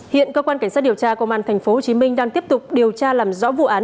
hiện cơ quan cảnh sát điều tra công an tp hcm đang tiếp tục điều tra làm rõ vụ án